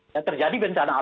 itu artinya apa